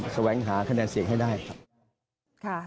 แสวงหาคะแนนเสียงให้ได้ครับ